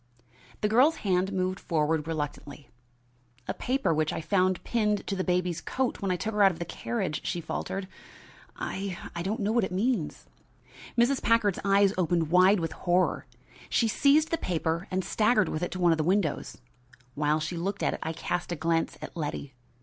The girl's hand moved forward reluctantly. "A paper which I found pinned to the baby's coat when I took her out of the carriage," she faltered. "I I don't know what it means." Mrs. Packard's eyes opened wide with horror. She seized the paper and staggered with it to one of the windows. While she looked at it, I cast a glance at Letty.